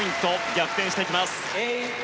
逆転してきます。